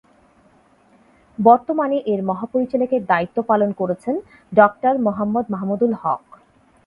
বর্তমানে এর মহাপরিচালকের দায়িত্ব পালন করছেন ডাক্তার মোহাম্মদ মাহমুদুল হক।